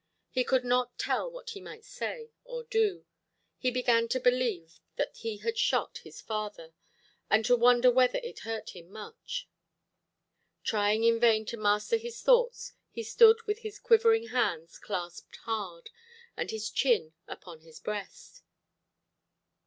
He could not tell what he might say or do. He began to believe he had shot his father, and to wonder whether it hurt him much. Trying in vain to master his thoughts, he stood with his quivering hands clasped hard, and his chin upon his breast.